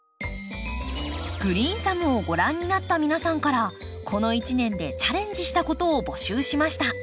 「グリーンサム」をご覧になった皆さんからこの一年でチャレンジしたことを募集しました。